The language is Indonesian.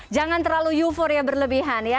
jangan terlalu euforia berlebihan ya